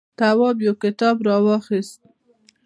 تواب يو کتاب ور واخيست.